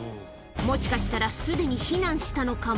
もしかしたらすでに避難したのかも。